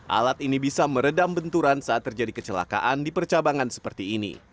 alat ini bisa meredam benturan saat terjadi kecelakaan di percabangan seperti ini